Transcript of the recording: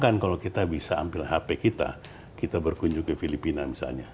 bahkan kalau kita bisa ambil hp kita kita berkunjung ke filipina misalnya